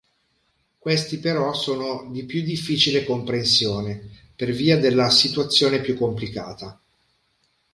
Questi però sono di più difficile comprensione, per via della situazione più complicata.